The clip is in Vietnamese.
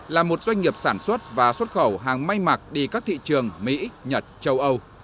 là một doanh nghiệp sản xuất và xuất khẩu hàng may mặc đi các thị trường mỹ nhật châu âu